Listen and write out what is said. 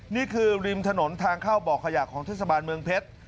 ริมถนนทางเข้าบ่อขยะของเทศบาลเมืองเพชร